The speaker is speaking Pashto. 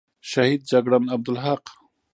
شهید جگړن عبدالحق،